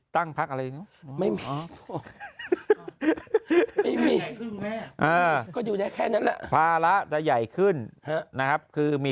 ตั้งพักอะไรไม่มีแค่นั้นแล้วภาระจะใหญ่ขึ้นนะครับคือมี